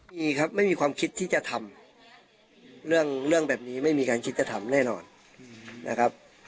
มีครับไม่มีความคิดที่จะทำเรื่องเรื่องแบบนี้ไม่มีการคิดจะทำแน่นอนนะครับ